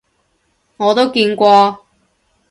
我都見過